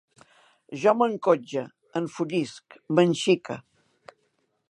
Jo m'encotxe, enfollisc, m'enxique